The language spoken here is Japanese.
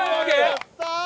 やったー！